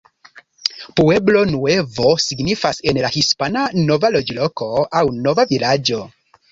Pueblo Nuevo signifas en la hispana "nova loĝloko" aŭ "nova vilaĝo".